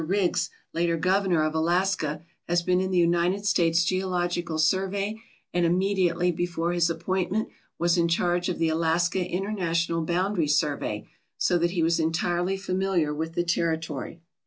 Riggs, later Governor of Alaska, had been in the United States Geological 272 THE BIGGEST THING IN ALASKA Survey and immediately before his appointment was in charge of the Alaska international boundary survey, so that he was entirely familiar with the territory.